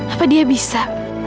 apa dia bisa